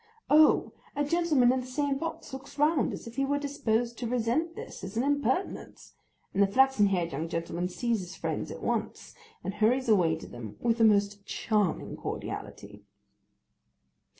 Oh! a gentleman in the same box looks round as if he were disposed to resent this as an impertinence; and the flaxen headed young gentleman sees his friends at once, and hurries away to them with the most charming cordiality.